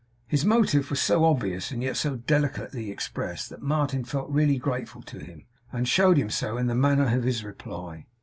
His motive was so obvious, and yet so delicately expressed, that Martin felt really grateful to him, and showed him so in the manner of his reply.